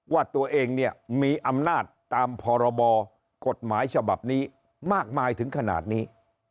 ว่าตัวเองเนี่ยมีอำนาจตามพรบกฎหมายฉบับนี้มากมายถึงขนาดนี้